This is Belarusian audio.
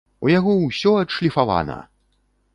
У яго усё адшліфавана!